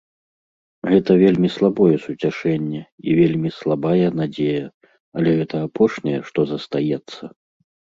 Гэта вельмі слабое суцяшэнне і вельмі слабая надзея, але гэта апошняе, што застаецца.